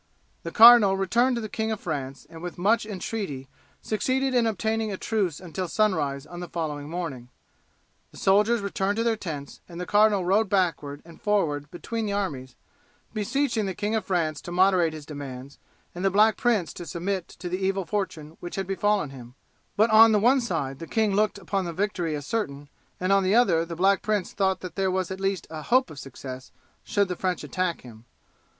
The cardinal returned to the King of France and with much entreaty succeeded in obtaining a truce until sunrise on the following morning. The soldiers returned to their tents, and the cardinal rode backward and forward between the armies, beseeching the King of France to moderate his demands, and the Black Prince to submit to the evil fortune which had befallen him; but on the one side the king looked upon the victory as certain, and on the other the Black Prince thought that there was at least a hope of success should the French attack him.